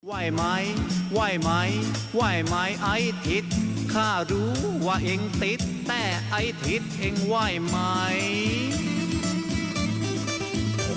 ไหวไหมไหวไหมไหวไหมไอทิศ